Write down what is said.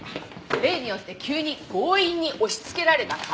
例によって急に強引に押し付けられた鑑定。